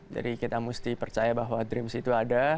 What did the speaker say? jadi kita mesti percaya bahwa dreams itu ada